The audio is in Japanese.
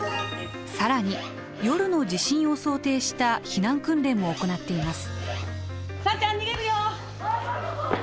更に夜の地震を想定した避難訓練も行っています。